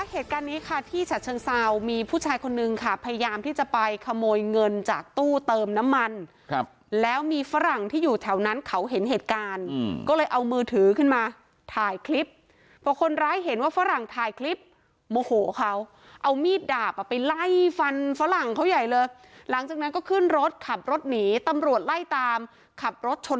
เหตุการณ์นี้ค่ะที่ฉัดเชิงเซามีผู้ชายคนนึงค่ะพยายามที่จะไปขโมยเงินจากตู้เติมน้ำมันครับแล้วมีฝรั่งที่อยู่แถวนั้นเขาเห็นเหตุการณ์ก็เลยเอามือถือขึ้นมาถ่ายคลิปพอคนร้ายเห็นว่าฝรั่งถ่ายคลิปโมโหเขาเอามีดดาบอ่ะไปไล่ฟันฝรั่งเขาใหญ่เลยหลังจากนั้นก็ขึ้นรถขับรถหนีตำรวจไล่ตามขับรถชน